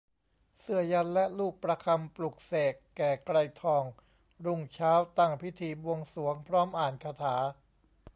เสื้อยันต์และลูกประคำปลุกเสก แก่ไกรทอง รุ่งเช้าตั้งพิธีบวงสรวงพร้อมอ่านคาถา